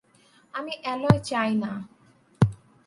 আমি অ্যালয় চাই না।